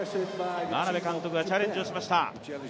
眞鍋監督がチャレンジをしました。